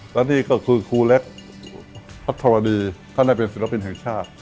และนี่ก็คือครูเล็กพัทรวดีท่านได้เป็นศิลปินแห่งชาติ